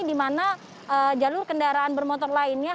dimana jalur kendaraan bermotor lainnya